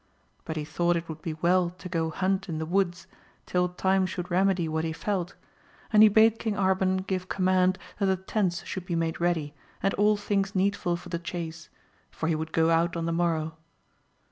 But he thought it would be well to go hunt in the woods, till time should remedy what he felt, and he bade King Arban give command that the tents should be made ready and all things needful for the chace, for he would go out on the morrow.